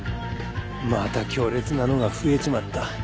また強烈なのが増えちまった。